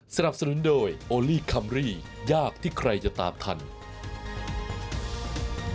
สนับสนุนโดยโอลี่คัมรี่ยากที่ใครจะตามทัน